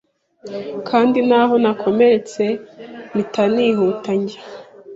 kandi ntaho nakomeretse mpita nihuta njya